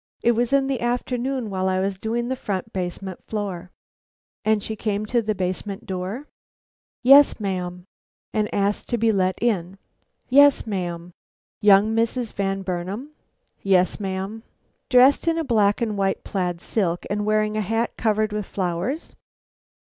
It was in the afternoon while I was doing the front basement floor." "And she came to the basement door?" "Yes, ma'am." "And asked to be let in?" "Yes, ma'am." "Young Mrs. Van Burnam?" "Yes, ma'am." "Dressed in a black and white plaid silk, and wearing a hat covered with flowers?"